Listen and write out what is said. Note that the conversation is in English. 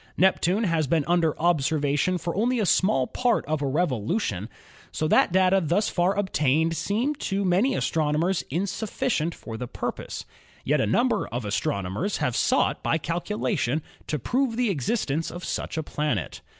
Neptune has been under observation for only a small part of a revolution, so that THE SOLAR SYSTEM 87 data thus far obtained seem to many astronomers insuffi cient for the purpose. Yet a number of astronomers have sought by calculation to prove the existence of such a planet.